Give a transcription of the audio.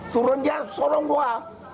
turunnya sorong dua